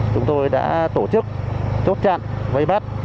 chúng tôi đã tổ chức chốt chặn vây bắt